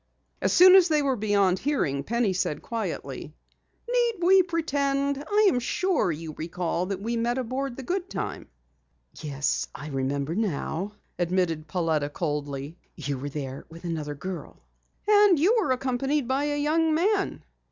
As soon as they were beyond hearing, Penny said quietly: "Need we pretend? I am sure you recall that we met aboard the Goodtime." "Yes, I remember now," admitted Pauletta coldly. "You were with another girl." "And you were accompanied by a young man."